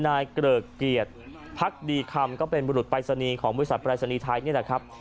นายเกรอเกียจพรักดีคำก็เป็นผมรุฬไปศนีย์ของบุษัทไปศนีย์ไทยเนี่ยแหละครับ